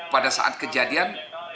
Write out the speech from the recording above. pada saat kejadian